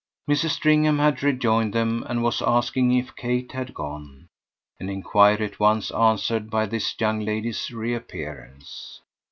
Mrs. Stringham had rejoined them and was asking if Kate had gone an enquiry at once answered by this young lady's reappearance.